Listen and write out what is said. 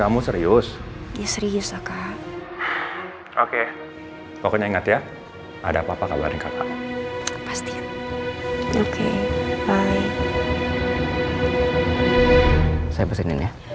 mau siapin makan malam buat renji nih